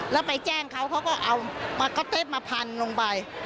แล้วไปแจ้งเขาเขาก็เอามาก็อตเต็ตมาพันลงไป